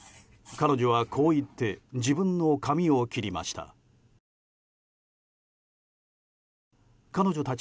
彼女はこう言って自分の髪を切りました。